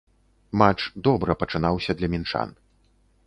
Матч добра пачынаўся для мінчан.